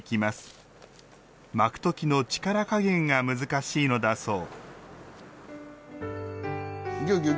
巻く時の力加減が難しいのだそう